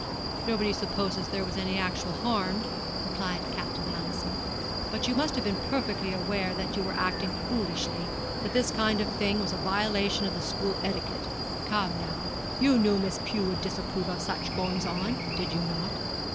'Nobody supposes there was any actual harm,' replied Captain Palliser, 'but you must have been perfectly aware that you were acting foolishly that this kind of thing was a violation of the school etiquette. Come, now, you knew Miss Pew would disapprove of such goings on, did you not?'